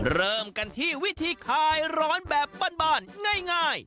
เริ่มกันที่วิธีคลายร้อนแบบบ้านง่าย